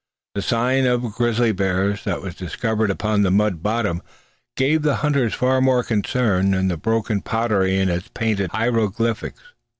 The sign of grizzly bears, that was discovered upon the mud bottom, gave the hunters far more concern than the broken pottery and its painted hieroglyphics.